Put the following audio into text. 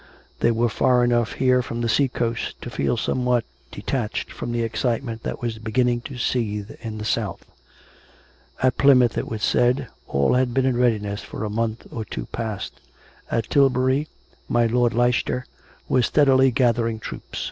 They were far enough here from the sea coast to feel somewhat detached from the excitement that was beginning to seethe in the south. At Plymouth, it was said, all had been in readiness for a month or two past; at Tilbury, my lord Leicester was steadily gathering troops.